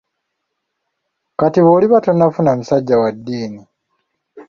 Kati bw'oliba tonnafuna musajja wa ddiini?